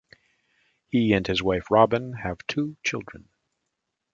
He and his wife Robin have two children.